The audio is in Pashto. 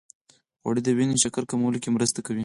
غوړې د وینې شکر کمولو کې مرسته کوي.